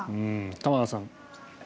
玉川さん。